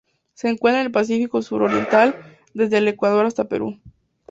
Se encuentra en el Pacífico suroriental, desde el Ecuador hasta el Perú.